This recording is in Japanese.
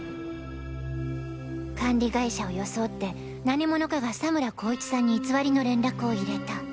管理会社を装って何者かが佐村功一さんに偽りの連絡を入れた。